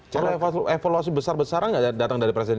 cara evaluasi besar besaran nggak datang dari presiden